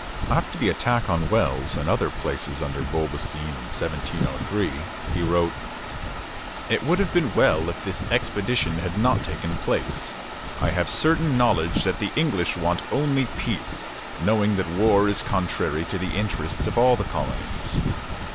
After the attack on Wells and other places under Beaubassin in 1703, he wrote: "It would have been well if this expedition had not taken place. I have certain knowledge that the English want only peace, knowing that war is contrary to the interests of all the colonies.